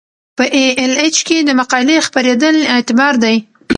په ای ایل ایچ کې د مقالې خپریدل اعتبار دی.